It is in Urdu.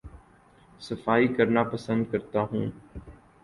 صفائی کرنا پسند کرتا ہوں